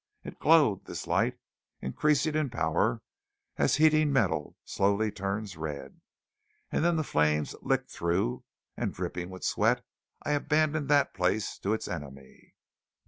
It glowed, this light, increasing in power as heating metal slowly turns red. And then the flames licked through; and dripping with sweat, I abandoned that place to its enemy.